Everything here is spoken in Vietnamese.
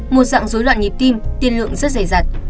một dạng dối loạn nhịp tim tiên lượng rất rẻ rặt